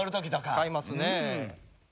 使いますね。